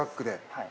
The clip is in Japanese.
はい。